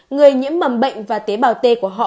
người nhiễm mầm bệnh và tế bào t của họ